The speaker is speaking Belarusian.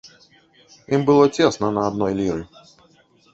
Ім было цесна на адной ліры.